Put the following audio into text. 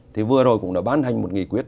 thì vừa rồi cũng đã ban hành một nghị quyết